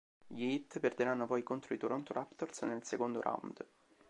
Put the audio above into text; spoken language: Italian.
Gli Heat perderanno poi contro i Toronto Raptors nel secondo round.